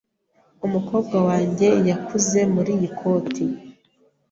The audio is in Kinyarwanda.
Umukobwa wanjye yakuze muriyi koti.